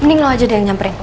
mending lo aja deh nyamperin